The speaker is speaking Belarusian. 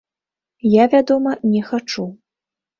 Я, вядома, не хачу.